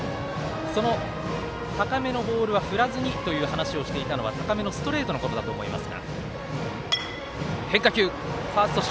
その高めのボールを振らずにと話していたのは高めのストレートのことだと思いますが。